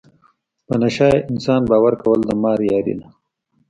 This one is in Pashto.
په نشه یې انسان باور کول د مار یاري ده.